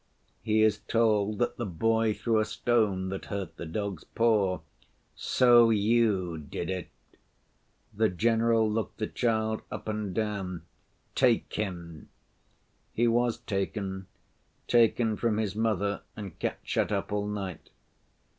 He is told that the boy threw a stone that hurt the dog's paw. 'So you did it.' The general looked the child up and down. 'Take him.' He was taken—taken from his mother and kept shut up all night.